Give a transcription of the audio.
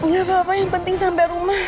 ya bapak yang penting sampai rumah